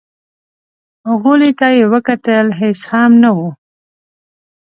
غولي ته يې وکتل، هېڅ هم نه و.